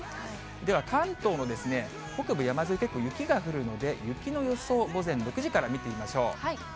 では関東の北部山沿い、結構雪が降るので、雪の予想、午前６時から見てみましょう。